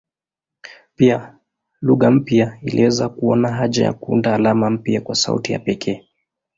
Pia lugha mpya iliweza kuona haja ya kuunda alama mpya kwa sauti ya pekee.